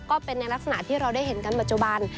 ก็เป็นในลักษณะที่เราได้เห็นกันปัจจุบัน